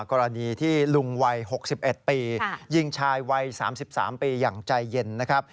กรณีที่ลุงวัย๖๑ปียิงชายวัย๓๓ปีอย่างใจเย็นนะครับ